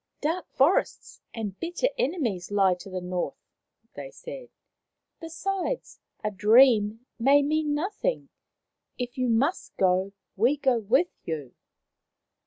" Dark forests and bitter enemies lie to the north," they said. " Besides, a dream may mean nothing. If you must go, we go with you."